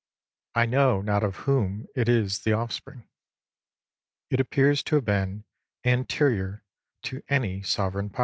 I know not of whom it is the offspring. It appears to have been anterior to any Sovereign Power.